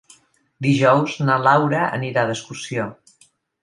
Dijous na Laura anirà d'excursió.